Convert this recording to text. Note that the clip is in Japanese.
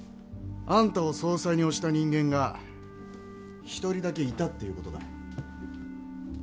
あんたを総裁に推した人間が１人だけいたっていう事だ。